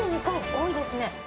多いですね。